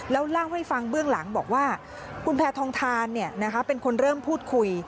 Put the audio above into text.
แล้วเล่าให้ฟังเบื้องหลังบอกว่าคุณแพทองทานเป็นคนเริ่มพูดคุย